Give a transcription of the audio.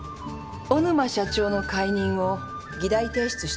小沼社長の解任を議題提出したいと考えています。